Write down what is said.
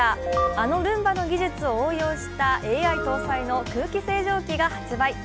あのルンバの技術を応用したＡＩ搭載の空気清浄機が発売。